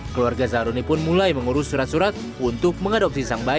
keluarga zahroni pun mulai mengurus surat surat untuk mengadopsi sang bayi